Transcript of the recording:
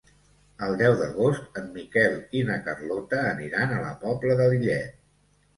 El deu d'agost en Miquel i na Carlota aniran a la Pobla de Lillet.